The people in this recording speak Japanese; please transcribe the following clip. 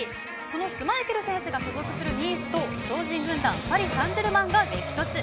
そのシュマイケル選手が所属するニースと超人軍団パリ・サンジェルマンが激突。